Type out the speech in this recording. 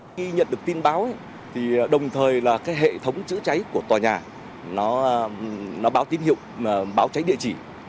khi nhận được tin báo đồng thời hệ thống chữa cháy của tòa nhà báo tin hiệu báo cháy địa chỉ